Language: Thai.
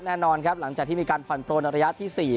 แน่นอนครับหลังจากที่มีการผ่อนปลนระยะที่๔